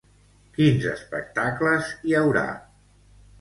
Quins espectacles hi haurà?